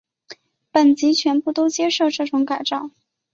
本级全部都接受了这种改造。